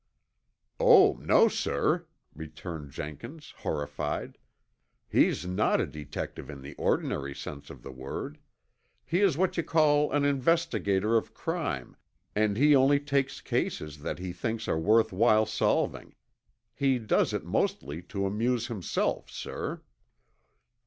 "Oh, no, sir," returned Jenkins, horrified. "He's not a detective in the ordinary sense of the word. He is what you call an investigator of crime and he only takes cases that he thinks are worth while solving. He does it mostly to amuse himself, sir."